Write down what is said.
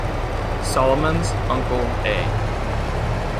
Solomon's uncle, A.